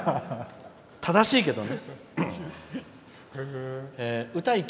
正しいけどね。